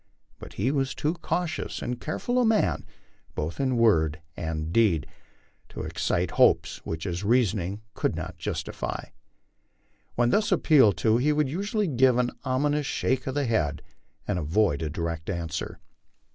But he was too cautious and careful a man, both in word and deed, to excite hopes which his reasoning could not justify. When thus appealed to he would usually give an ominous shake of the head and avoid a direct answer.